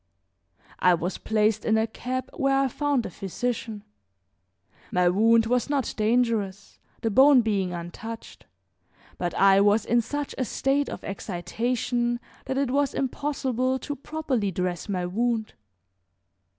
I was placed in a cab where I found a physician. My wound was not dangerous, the bone being untouched, but I was in such a state of excitation that it was impossible to properly dress my wound.